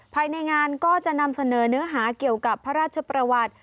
ภายในงานก็จะนำเสนอเนื้อหาเกี่ยวกับพระราชประวัติ